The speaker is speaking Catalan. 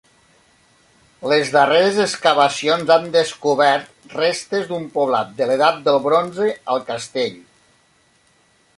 Les darreres excavacions han descobert restes d'un poblat de l'edat del bronze al castell.